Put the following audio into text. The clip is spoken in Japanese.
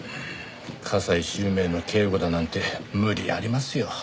加西周明の警護だなんて無理ありますよ。